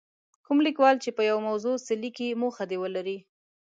کوم لیکوال چې په یوې موضوع څه لیکي موخه دې ولري.